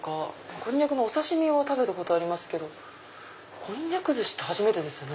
こんにゃくのお刺し身は食べたことありますけどこんにゃく寿司初めてですよね。